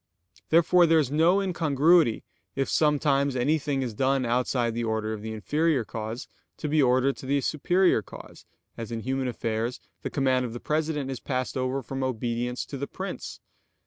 Therefore there is no incongruity if sometimes anything is done outside the order of the inferior cause, to be ordered to the superior cause, as in human affairs the command of the president is passed over from obedience to the prince.